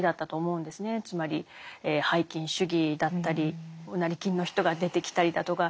つまり拝金主義だったり成金の人が出てきたりだとか